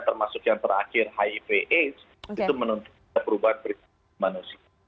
termasuk yang terakhir hiv aids itu menuntut perubahan manusia